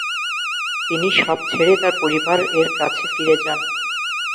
তিনি সব ছেড়ে তার পরিবার এর কাছে ফিরে যান।